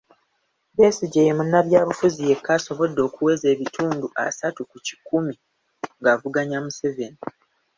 Besigye ye munnabyabufuzi yekka asobodde okuweza ebitundu asatu ku kikumi ng'avuganya Museveni.